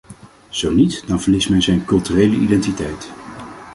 Zo niet, dan verliest men zijn culturele identiteit.